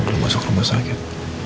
belum masuk rumah sakit